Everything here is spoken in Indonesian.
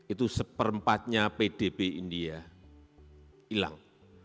itu seperempatnya pdb india hilang